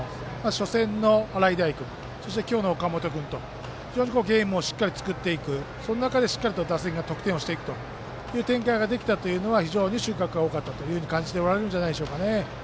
初戦の洗平君そして、今日の岡本君とゲームをしっかりと作っていくその中でしっかりと打線が得点をしていくということができたというのは非常に収穫が多かったと感じておられるんじゃないでしょうかね。